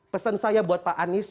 pesan saya buat pak anies